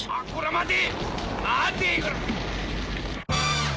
待て！